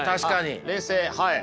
冷静はい。